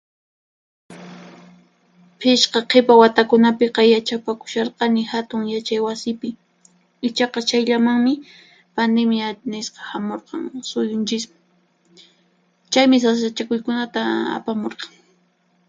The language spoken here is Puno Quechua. Phishqa qhipa watakunapiqa yachapakusharqani Hatun Yachaywasipi, ichaqa chayllamanmi Pandimiya nisqa hamurqan suyunchisman. Chaymi sasachakuykunata apamurqan.